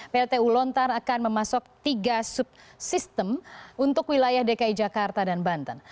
pltu lontar akan memasuk tiga subsistem untuk wilayah dki jakarta dan banten